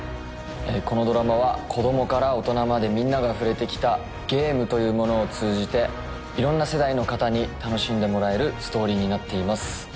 このドラマは子供から大人までみんなが触れてきたゲームというものを通じて色んな世代の方に楽しんでもらえるストーリーになっています